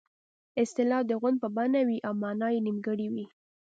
اصطلاح د غونډ په بڼه وي او مانا یې نیمګړې وي